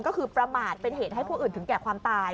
ก็คือประมาทเป็นเหตุให้ผู้อื่นถึงแก่ความตาย